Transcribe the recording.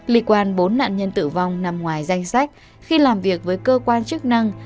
liên quan bốn nạn nhân tử vong nằm ngoài danh sách khi làm việc với cơ quan chức năng